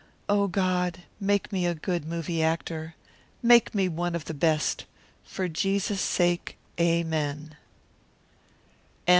"Oh, God, make me a good movie actor! Make me one of the best! For Jesus'sake, amen!"